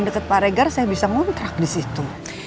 deket paregar saya bisa kontrak di situ